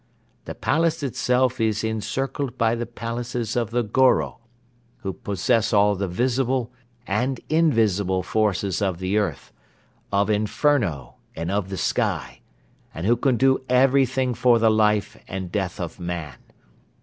The palace itself is encircled by the palaces of the Goro, who possess all the visible and invisible forces of the earth, of inferno and of the sky and who can do everything for the life and death of man.